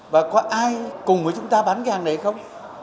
và có ai cùng với chúng ta bán cái hàng này không